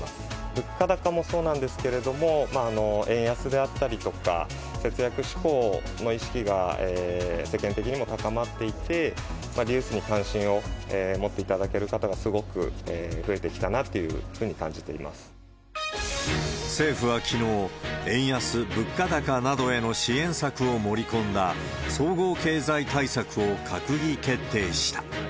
物価高もそうなんですけれども、円安であったりとか、節約志向の意識が世間的にも高まっていて、リユースに関心を持っていただける方がすごく増えてきたなってい政府はきのう、円安、物価高などへの支援策を盛り込んだ総合経済対策を閣議決定した。